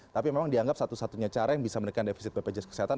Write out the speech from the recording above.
tapi memang dianggap satu satunya cara yang bisa menekan defisit bpjs kesehatan